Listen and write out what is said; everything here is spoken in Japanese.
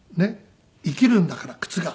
「生きるんだから靴が」。